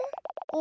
お？